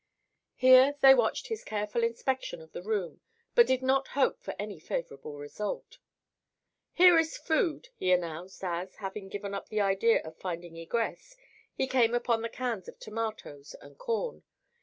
Here they watched his careful inspection of the room but did not hope for any favorable result. "Here is food," he announced, as, having given up the idea of finding egress, he came upon the cans of tomatoes and corn.